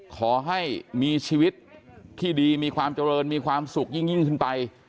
ขอให้มีชีวิตที่ดีมีความเจริญมีความสุขยิ่งขึ้นไป